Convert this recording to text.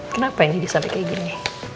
kenapa ini dia sampai kayak gini